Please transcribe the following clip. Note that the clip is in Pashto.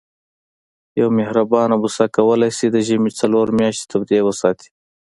یوه مهربانه بوسه کولای شي د ژمي څلور میاشتې تودې وساتي.